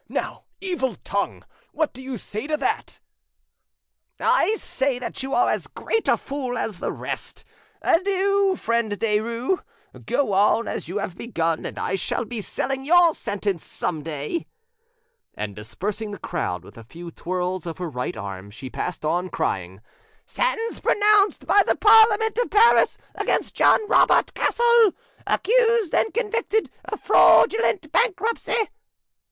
Now, evil tongue, what do you say to that?" "I say that you are as great a fool as the rest. Adieu, friend Derues; go on as you have begun, and I shall be selling your 'sentence' some day"; and dispersing the crowd with a few twirls of her right arm, she passed on, crying— "Sentence pronounced by the Parliament of Paris against John Robert Cassel, accused and convicted of Fraudulent Bankruptcy!"